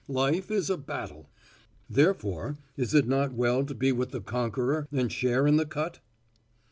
Life is a battle. Therefore is it not well to be with the conqueror and share in the cut?